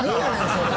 それ。